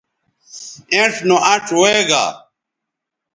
اِنڇ نو اَنڇ وے گا